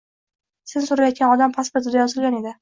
Sen soʻrayotgan odam pasportida yozilgan edi